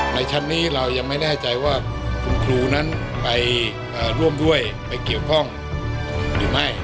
ในชั้นนี้เรายังไม่แน่ใจว่าคุณครูนั้นไปร่วมด้วยไปเกี่ยวข้องหรือไม่